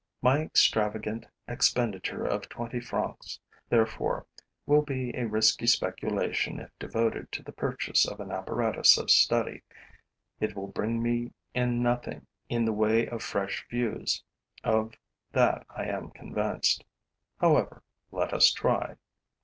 My extravagant expenditure of twenty francs, therefore, will be a risky speculation if devoted to the purchase of an apparatus of study. It will bring me in nothing in the way of fresh views, of that I am convinced. However, let us try.